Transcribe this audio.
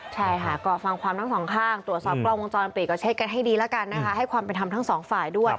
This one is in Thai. ใช่ค่ะก็ฟังความทั้งสองข้างตรวจสอบกล้องวงจรปิดก็เช็คกันให้ดีแล้วกันนะคะให้ความเป็นธรรมทั้งสองฝ่ายด้วย